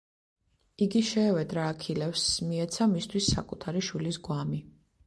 იგი შეევედრა აქილევსს, მიეცა მისთვის საკუთარი შვილის გვამი.